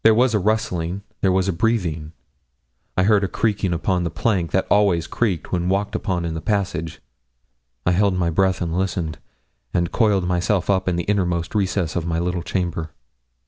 There was a rustling; there was a breathing. I heard a creaking upon the plank that always creaked when walked upon in the passage. I held my breath and listened, and coiled myself up in the innermost recess of my little chamber.